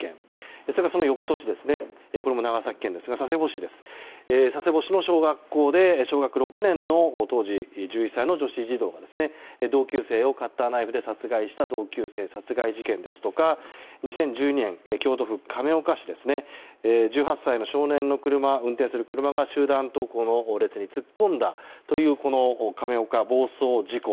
それから、その翌年これも長崎県ですが佐世保市の小学校で小学６年の当時１１歳の女子児童が同級生をカッターナイフで殺害した同級生殺害事件ですとか２０１２年、京都府亀岡市１８歳の少年が運転する車が集団登校の列に突っ込んだという亀岡暴走事故。